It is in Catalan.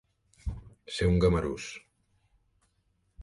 Ser un gamarús.